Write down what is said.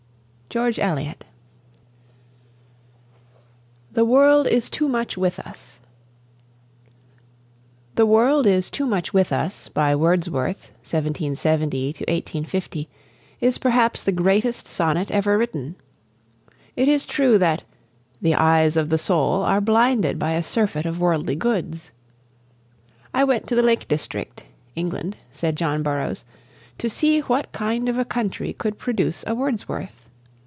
GEORGE ELIOT. THE WORLD IS TOO MUCH WITH US. "The World Is Too Much With Us," by Wordsworth (1770 1850), is perhaps the greatest sonnet ever written. It is true that "the eyes of the soul" are blinded by a surfeit of worldly "goods." "I went to the Lake District" (England), said John Burroughs, "to see what kind of a country could produce a Wordsworth."